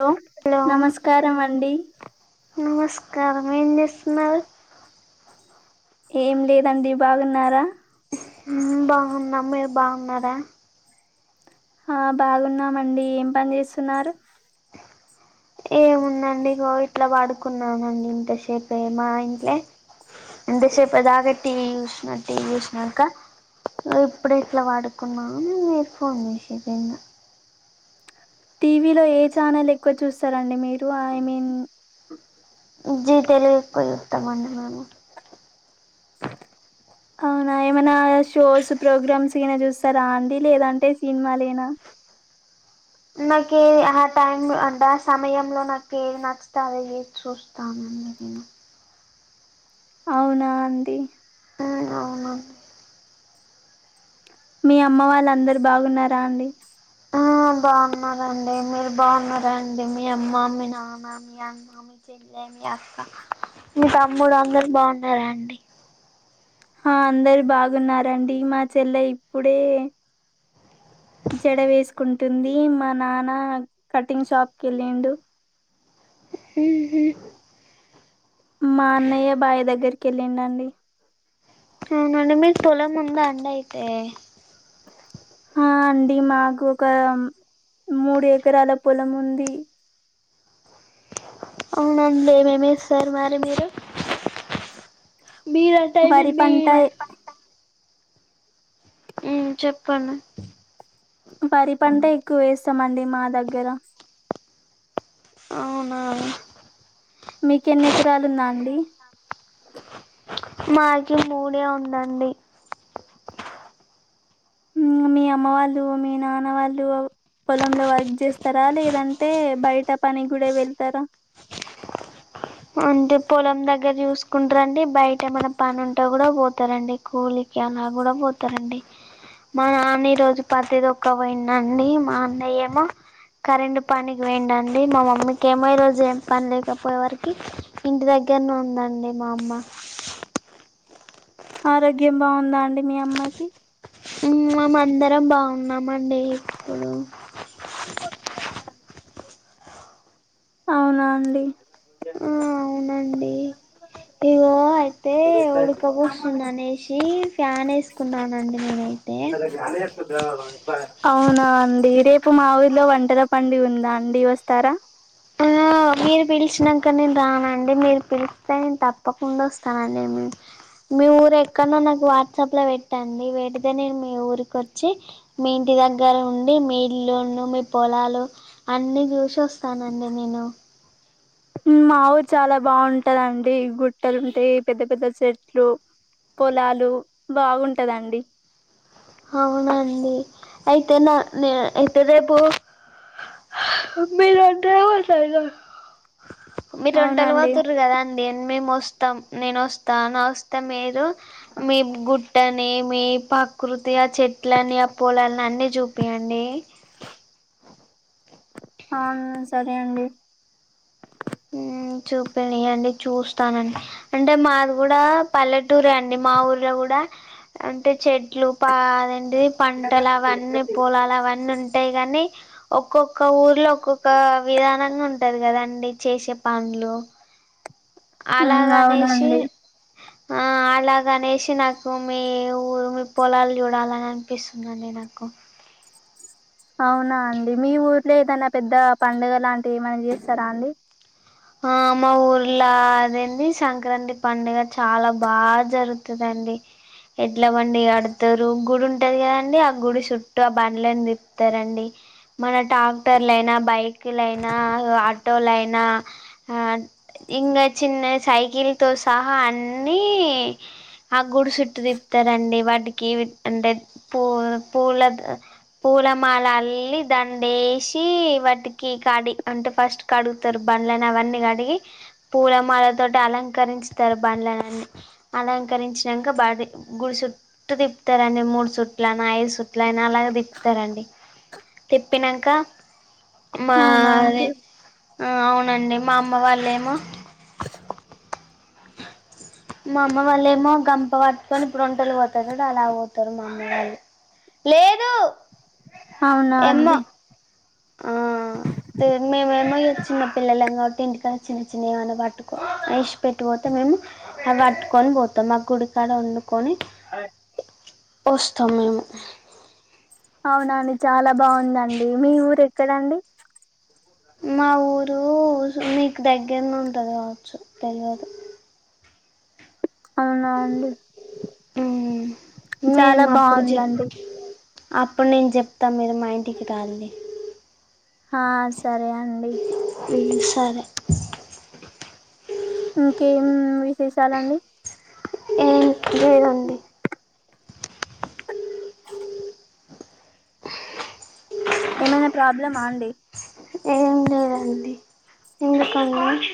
hello నమస్కారం అండి నమస్కారం ఏంచేస్తున్నారు ఏం లేదండి బాగున్నారా హ్మ్ బాగున్నాం మీరు బాగున్నారా ఆ బాగున్నామండి ఏం పని చేస్తున్నారు ఏముందండి ఇగో ఇట్లా పోడుకున్నానండి ఇంతసేపే మా ఇంట్లే ఇంత సేపుదగా టీ జుస్నా టీ జుస్నాకా ఇప్పుడె ఇట్లా పడుకున్నా నువ్ ఫోన్ చేస్దైనా టీవీలో ఏ ఛానల్ ఎక్కువ చూస్తారండి మీరు ఐ మీన్ జీ తెలుగు ఎక్కువజుతమండి మేము అవునా ఏమైనా షోస్ ప్రోగ్రామ్స్ ఏనా చూస్తారా అండి లేదంటే సినిమాాలేనా నాకు ఏది ఆ టైమ్లో అంటే ఆ సమయంలో నాకు ఏది నచ్చతే అది చూస్తాను ఊహ్మ్ అవునా అండి ఆ అవును మీ అమ్మ వాళ్ళ అందరు బాగున్నారా అండి ఆ బాగున్నారండి మీరు బాగున్నారండి మీ అమ్మ మీ నాన్న మీ అన్న మీ మీ పిన్ని మీ అక్క మీ తమ్ముడు అందరుూ బాగున్నారండి ఆ అందరు బాగున్నారండి మా చెల్లె ఇప్పుడే జడ వేసుకుంటుంది మా నాన్న కటింగ్ షాప్ కి వెళ్ళిండు హ్మ్ హు మా అన్నయ్య బాయ్ దగ్గరికి వెళ్ళిండు అండి అవునండి మీకు పొలం ఉందా అండీ అయితే ఆ అండి మాకు ఒక మూడు ఎకరాల పొలం ఉంది అవునండి ఏమేమి వేస్తారు మరి మీరు మీర టైం వరి అయింది మ్మే పంట హ్మ్ చెప్పండి వరి పంట ఎక్కువ వేస్తామండి మా దగ్గర అవునా మీక ఎన్ని ఎకరాలు ఉందా అండి మాకి మూడే ఉందండి హ్మ్ మీ అమ్మ వాళ్ళు మీ నాన్న వాళ్ళు పొలంలో వర్క్ చేస్తారా లేదంటే బయట పని కూడా వెళ్తారా అంటే పొలం దగ్గర చూసుకుంటారండి బయట ఏమన్నా పని ఉంటే కూడా పోతారండి కూలికి అలా కూడా పోతారండి మా నాన్న ఈ రోజు పత్తితొక్కేకి పోయిండండి మా అన్నయ్య ఏమో కరెంట్ పనికి పోయిండండి మా మమ్మకి ఏమో రోజు ఏ పని లేకపోయే వరకి ఇంటి దగ్గరనే ఉందండి మా అమ్మ ఆరోగ్యం బాగుందా అండి మీ అమ్మకి హ్మ్ మేం అందరం బాగున్నామండి ఇప్పుడు [unintelligible] అవునా అండి ఆ అవునండి ఇగో అయితే ఉడక పోస్తుంది అనేసి ఫ్యాన్ వేస్ వేసుకున్నానండి నేనయితే [unintelligible] అవునా అండి రేపు మా ఊరిలో వంటల పండుగా ఉందా అండి వస్తారా ఆ మీరు పిలిచినాంకా నేను రానా అండీ మీరు పిలిస్తే నేను తప్పకుండా వస్తానండి మీ ఊరు ఎక్కడనో నాకు వాట్సాప్లో పెట్టండి పెడితే నేను మీ ఊరికి వచ్చి మీ ఇంటి దగ్గర ఉండి మీ ఇల్లును మీ పొలాలు అన్ని చూసి వస్తానండి నేను హ్మ్ మా ఊరు చాలా బాగుంటదండి గుట్టలుంటాయి పెద్ద పెద్ద చెట్లు పొలాలు బాగుంటదండి అవునా అండీ అయితే నా నే అయితే రేపు మీరు వంటలు పోతారు కద మీరు వంటలు అవునండి పోతుర్రు కదా అన్ మేము వస్తాం నేను వస్తా న వస్తే మీరు మీ గుట్టని మీ ప్రకృతి ఆ చెట్లని ఆ పొలాలని అన్నీ చూపియ్యండి ఆ సరే అండి హ్మ్ చూపినీయండీ చూస్తానండి అంటే మాది కూడా పల్లెటూరే అండి మా ఊర్లో కూడా అంటే చెట్లు పా అదేంటీ పంటలు అవన్నీ పొలాలు అవన్నీ ఉంటాయి కానీ ఒక్కొక్క ఊర్లో ఒక్కొక్క విధానంగా ఉంటది కదండి చేసే పన్లు ఉమ్ అలాగ అనేసి అవునండి ఆ అలాగనేసి నాకు మీ ఊరు మీ పొలాలు చూడాలని అనిపిస్తుందండి, నాకు అవునా అండి మీ ఊర్లో ఏదైనా పెద్ద పండుగ లాంటివి ఏమైనా చేస్తారా అండి ఆ మా ఊర్లో అదేండి సంక్రాంతి పండుగ చాలా బాగా జరుగుతదండి, ఎడ్లబండి కాడతారు గుడి ఉంటది కదాండి ఆ గుడి చుట్టూ ఆ బండ్లని తిప్పుతారండి, మళ్ల ట్రాక్టర్లయినా, బైక్లయినా ఆటోలైనా ఆ ఇగా చిన్న సైకిల్ తో సహా అన్ని ఆ గుడి చుట్టు తిప్తారండి వాటికి అంటే పొ పూల పూలమాల అల్లి దండేసి వాటికి కడి అంటే ఫస్ట్ కడుగుతారు, బండ్లలను అవన్నీ కడిగి పూల మాల తోటి అలంకరించుతారు బండ్లనాన్ని అలంకరించినాక బయట గుడి సు చుట్టటు తిప్పుతారండి మూడు చుట్ల అన్ని ఐదు చుట్ల అయినా అలాగా తిపుతారండి తిప్పినాక అవునా మాది, అండి ఆ అవునండి మా అమ్మ వాళ్ళేమో [unintelligible] మా అమ్మ వాళ్ళ ఏమో గంప పటుకొన్ని ఇప్పుడు వంటలు పోత పెద్దడు అలా పోతారు మా అమ్మ వాళ్ళు లేదు అవునా అండీ ఎమ్మో ఆ తే మేము ఏమో ఇగా చిన్న పిల్లల కాబట్టి ఇంటికన్నా చిన్న చిన్న ఏమైనా పట్టుకో ఇశపేటి పోతే మేము, అవి పట్టుకొని పోతాం మా గుడికాడ వండుకొని, ఐ వస్తాం మేము అవునాండి చాలా బాగుందండి మీ ఊరు ఎక్కడండి మా ఊరు సో మీకు దగ్గర ఉంటుంది, కావచ్చు తెలవదు అవునా అండి మ్మ్ చాలా మేము అప్పుడు చెప్ బాగుందండి, అప్పుడు నేను చెప్తా మీరు మా ఇంటికి రాలి ఆ సరే అండి ఉ సరే ఇంకేం విశేషాలండి ఇదేనండి [unintelligible] ఏమైనా ప్రాబ్లమా అండి ఏం లేదండి ఎందుకండి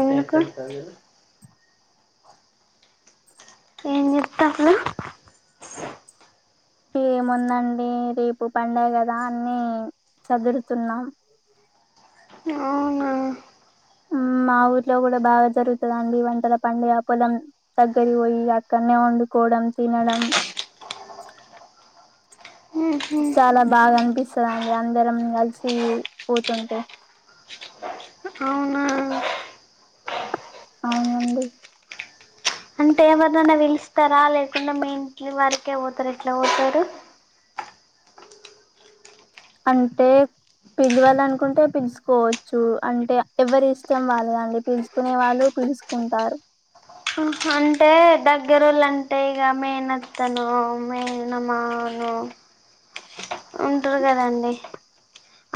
ఎందుకు ఎం చేస్తాళ్ళు ఏముందండి రేపు పండగా కదా అన్ని చదురుతున్నా, అవునా ఉమ్ మా ఊర్లో కూడా బాగా జరుగుతదండి వంటల పండగ పొలం దగ్గరి పోయి అక్కడనే వండుకోవడం తినడం మ్మ్ హ్మ్ చాలా బాగా అనిపిస్తది అండీ అందరం కలిసి పోతుంటే అవునా అవునండి అంటే ఎవరినన్న పిలుస్తారా లేకుండా మీ ఇంటి వరకే పోతారు ఎట్లా పోతారు, అంటే పిలవాలనుకుంటే పిలుచుకోవచ్చు అంటే ఎవరి ఇష్టం వాళ్ళదండి పిలుచుకునే వాళ్ళు పిలుచ ఉంటారు అంటే దగ్గరోళ్ళు అంటే ఇగ మేనత్తలు మేనమామ లు ఉంటారు కదండి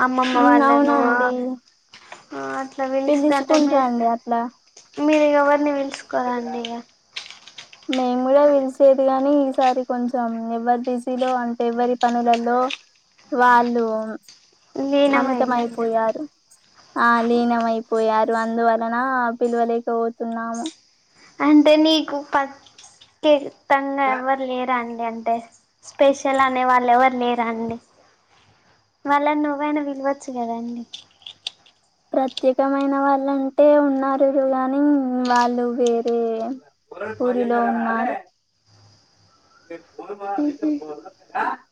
అమ్మమ్మ మ్మ్, వాళ్ళను అవునండి అట్లా పిలుస్తంట పిలుసుకుంటారండి అట్లా మీరు ఎవరిని పిలుసుకోరండి ఇగ మేము కూడా పిలిచేది కాని ఈసారి కొంచెం ఎవ్వరి బిజీలో అంటే ఎవరి పనులలో వాళ్ళు లీనమైలండి అమితమైపోయారు ఆ లీనంమైపోయారు అందువలన పిలువలేకపోతున్నాము అంటే నీకు [unintelligible] ఎవరు లేరా అండి అంటే స్పెషల్ అనే వాళ్ళు ఎవరు లేరా అండి వాళ్ళని నువ్వైనా పిలవచ్చు కదండి ప్రత్యేకమైన వాళ్ళంటే ఉన్నారు గానీ వాళ్ళు వేరే ఊరిలో ఉన్నారు మీ ఫోన్ ఉహు [inaudible]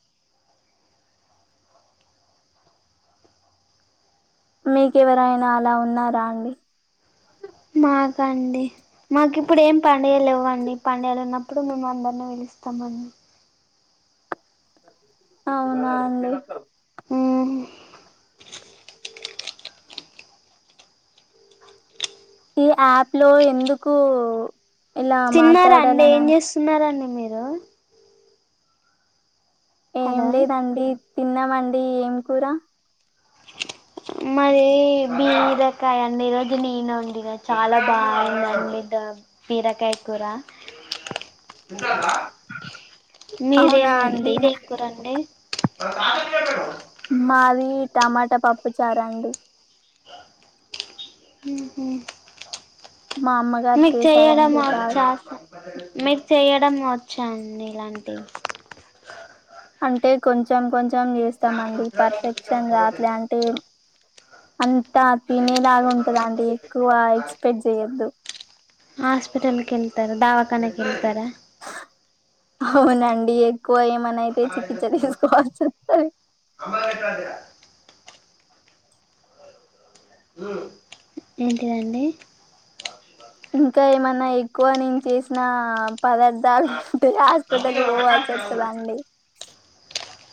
మీకు ఏవరైనా అలా ఉన్నారా అండి మాకా అండి మాకు ఇప్పుడు ఏం పండుగలు లేవండి పండుగలు ఉన్నప్పు ప్పుడు మేము అందరిని పిలుస్తాం ఆన్ అవునా అండి మ్మ్ ఈ యాప్ లో ఎందుకు ఇలా ఏం మాట్లాడాలనని తిన్నార అండి మీరు ఏం హలో లేదండి తిన్నామండి ఏం కూర మాది బీరకాయ అండి ఈరోజు నేను వండినా చాలా బాగుంది అండి బిరకాయ కూర మీరేమీ అవునా వం అండి మీరే కూర అండి మాది టమాటా పప్పు చారు అండి ఊహు మా అమ్మగారు మీకు చెయడం చేశారండి బాగా వచ్చా మీరు చేయడం వచ్చా అండి ఇలాంటివి అంటే కొంచెం కొంచెం చేస్తామండి పర్ఫెక్షన్ రావట్లే అంటే అంతా తినేలాగా ఉంటదండి ఎక్కువ ఎక్స్పెక్ట్ చేయొద్దు హాస్పిటల్ కి వేళ్తారా దావాఖనాకు వెళ్తారా అవునండి ఎక్కువ ఏమన్న అయితే చికిత్స తీసుకోవాల్సి వస్తది [unintelligible] ఏంటిదండి ఇంకా ఏమన్నా ఎక్కువ నేను చేసిన పదార్ ర్థాలు తింటే హాస్పిటల్ పోవాల్సి వస్తది అండి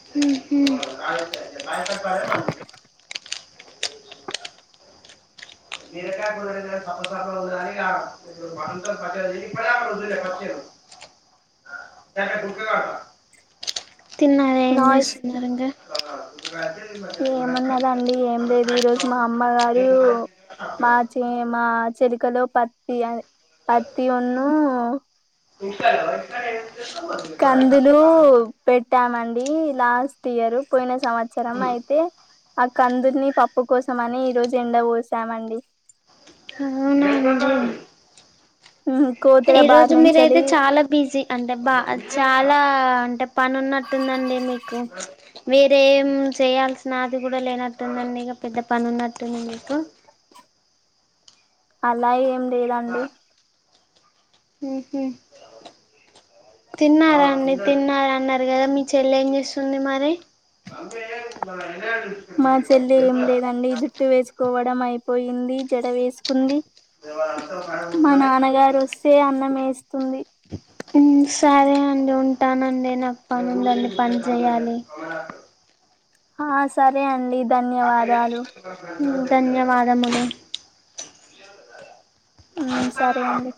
ఉహు బీరకాయ కూర తింటే సప్ప సప్పగా ఉందని ఇగ [unintelligible] తిన్నార ఏం నాయిస్ చేస్తున్నారు ఇంగ ఏమున్నదండి ఏం లేదు ఈరోజు మా అమ్మగారు మా చే మా చెలికలో పత్తి అ పత్తి ఒన్ను ఇ ఇ కందులు [unintelligible] పెట్టామండి లాస్ట్ ఇయర్ పోయిన సంవత్సరం అయితే ఆ కందుల్ని పప్పు కోసం అని ఈ రోజు ఎండకి పోసామండి అవునా అండి కో ఈ రోజు మీరయితే చాలా బిజీ అంటే బా చాలా అంటే పని ఉన్నట్టుందండి మీకు వేరేం చేయాల్సిన అది కూడా లేనట్టుందండి ఇక పెద్ద పని ఉన్నట్టుంది మీకు అలా ఏం లేదండి ఊహు తిన్నారా అండి తిన్నార అన్నారు కదా మీ చెల్లె ఏం చేస్తుంది మరి [unintelligible] మా చెల్లి ఏం లేదండి జుట్టు వేసుకోవడం అయిపోయింది జడ వేసుకుంది మా నాన్నగారు వస్తే అన్నం వేస్తుంది సరే అండి ఉంటానండి నాకు పనుందండి పని చేయాలి ఆ సరే అండి ధన్యవాదాలు మ్ ధన్యవాదములు మ్ సరే అండి